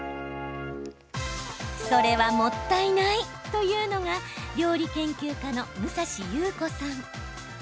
それはもったいないというのが料理研究家の武蔵裕子さん。